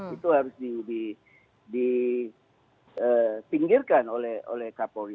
itu harus dipinggirkan oleh kapolri